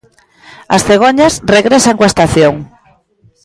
As cegoñas regresan coa estación.